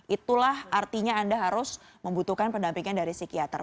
itulah artinya anda harus membutuhkan pendampingan dari psikiater